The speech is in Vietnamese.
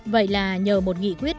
vậy là nhờ một nghị quyết